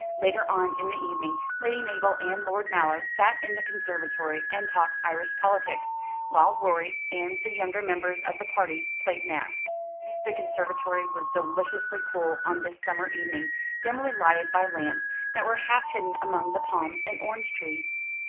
Later on in the evening Lady Mabel and Lord Mallow sat in the conservatory and talked Irish politics, while Rorie and the younger members of the house party played Nap. The conservatory was deliciously cool on this summer evening, dimly lighted by lamps that were half hidden among the palms and orange trees.